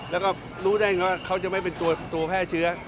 แล้วก็รู้ได้ไงว่าเขาจะไม่เป็นตัวแพร่เชื้อ